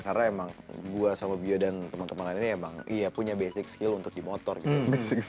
karena emang gue sama bio dan teman teman lainnya emang punya basic skill untuk di motor gitu